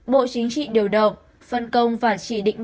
bộ chính trị điều động phân công và chỉ định